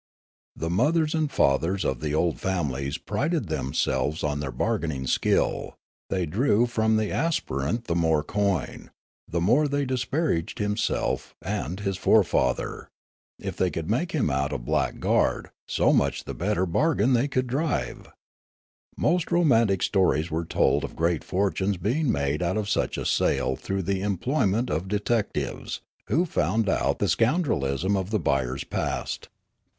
The mothers and fathers of the old families prided themselves on their bar gaining skill ; they drew from the aspirant the more coin, the more the\' disparaged himself and his fore father; if they could make him out a blackguard, so much the better bargain could they drive. Most ro mantic stories were told of great fortunes being made out of such a sale through the employment of detectives, who found out the scoundrelism of the buyer's past.